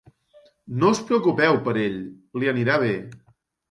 No us preocupeu per ell, li anirà bé.